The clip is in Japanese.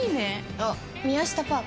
あ宮下パーク？